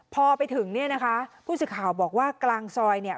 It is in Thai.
พอไปถึงพูดสิทธิ์ข่าวบอกว่ากลางซอย